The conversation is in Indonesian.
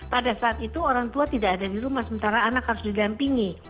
pada saat itu orang tua tidak ada di rumah sementara anak harus didampingi